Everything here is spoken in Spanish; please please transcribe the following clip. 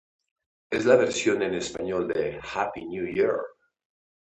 Es la versión en español de "Happy New Year".